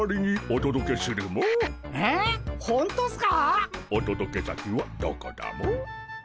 おとどけ先はどこだモ？